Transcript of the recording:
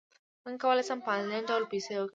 څنګه کولی شم په انلاین ډول پیسې وګټم